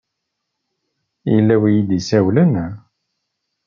Yella win i yi-d-isawlen?